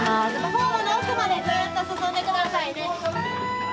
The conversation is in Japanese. ホームの奥までずっと進んで下さいね。